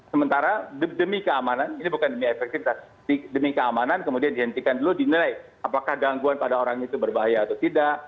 sementara demi keamanan ini bukan demi efektivitas demi keamanan kemudian dihentikan dulu dinilai apakah gangguan pada orang itu berbahaya atau tidak